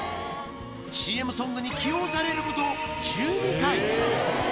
ＣＭソングに起用されること１２回。